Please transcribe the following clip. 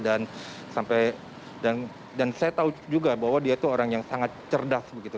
dan saya tahu juga bahwa dia itu orang yang sangat cerdas begitu